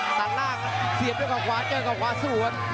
ตัดล่างเสียบด้วยขวานเกลวด้วยขวานส่วน